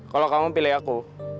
kalau kamu pilih aku